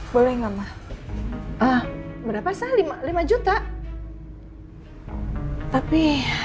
boleh nggak ah berapa lima juta tapi